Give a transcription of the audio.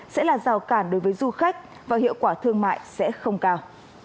sẽ là rào cản đối với du khách và hiệu quả thương mại sẽ không cao